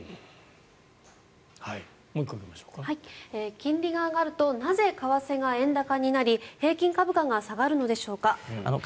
金利が上がるとなぜ為替が円高になり平均株価が下がるのでしょうか。